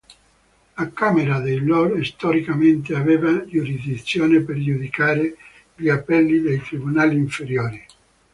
La Camera dei lord storicamente aveva giurisdizione per giudicare gli appelli dei tribunali inferiori.